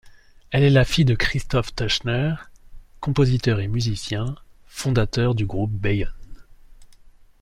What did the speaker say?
Elle est la fille de Christoph Theusner, compositeur et musicien, fondateur du groupe Bayon.